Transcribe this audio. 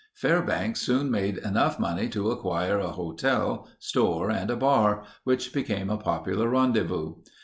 Fairbanks soon made enough money to acquire a hotel, store, and a bar, which became a popular rendezvous.